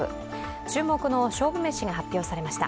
注目の勝負メシが発表されました。